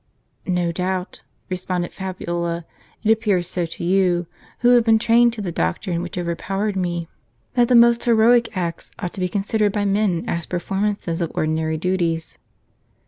"No doubt," responded Fabiola, "it appears so to you, who have been trained to the doctrine which overpowered me, that the most heroic acts ought to be considered by men as performances of ordinary duties."